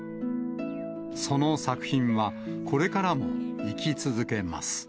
その作品は、これからも生き続けます。